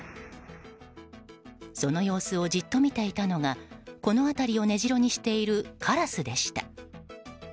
その様子をじっと見ていたのがこの辺りを根城にしているカラスでした。